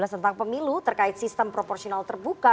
tentang pemilu terkait sistem proporsional terbuka